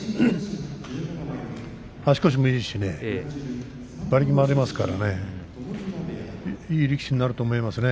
足腰もいいしね馬力もありますからねいい力士になると思いますね。